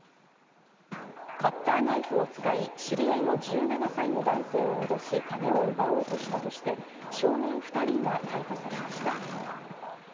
カッターナイフを使い、知り合いの１７歳の男性をおどし、金を奪おうとしたとして少年２人が逮捕されました。